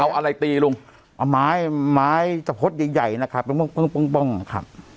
เอาอะไรตีลุงเอาไม้ไม้สะพดใหญ่ใหญ่นะครับปึ้งปึ้งปึ้งปึ้งครับ